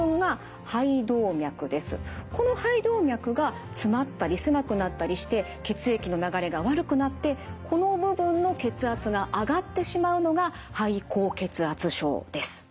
この肺動脈が詰まったり狭くなったりして血液の流れが悪くなってこの部分の血圧が上がってしまうのが肺高血圧症です。